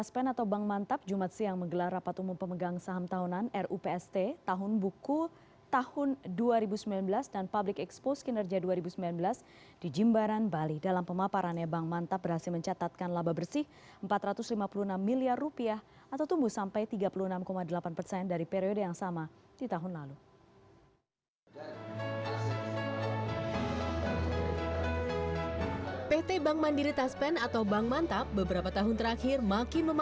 pembangunan pembangunan pembangunan